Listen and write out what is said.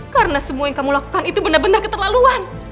karena semua yang kamu lakukan itu benar benar keterlaluan